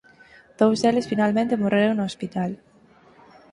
Dous deles finalmente morreron no hospital.